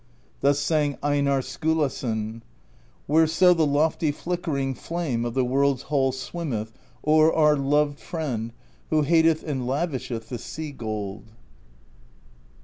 Thus sang Einarr Skulason : Whereso the lofty flickering Flame of the World's Hall swimmeth THE POESY OF SKALDS 141 O'er our loved friend, who hateth And lavisheth the sea gold.